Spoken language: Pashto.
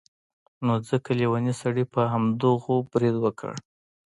نو ځکه لیوني سړي پر همدغو برید وکړ.